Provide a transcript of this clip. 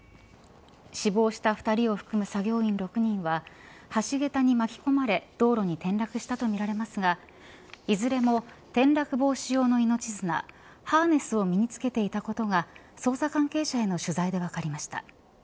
死亡した２人を含む作業員６人は橋桁に巻き込まれ道路に転落したとみられますがいずれも転落防止用の命綱ハーネスを身に着けていたことが捜査関係者への取材で分かりました。